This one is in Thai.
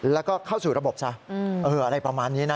แล้วก็เข้าสู่ระบบซะอะไรประมาณนี้นะ